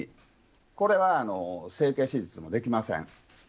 これは整形手術もできません。